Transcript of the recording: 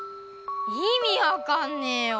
いみ分かんねえよ！